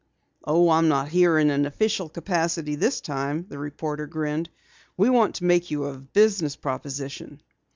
"Oh, I'm not here in an official capacity this time," the reporter grinned. "We want to make you a business proposition."